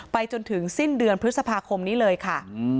จนถึงสิ้นเดือนพฤษภาคมนี้เลยค่ะ